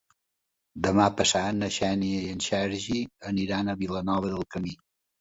Demà passat na Xènia i en Sergi aniran a Vilanova del Camí.